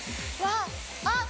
あっ！